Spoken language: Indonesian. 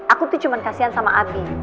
aku tuh cuman kasihan sama ati